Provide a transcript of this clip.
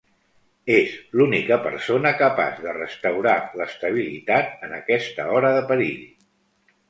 És l'única persona capaç de restaurar l'estabilitat en aquesta hora de perill.